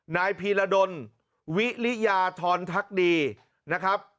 นายพีรดลวิริยาทรทักดีนะครับ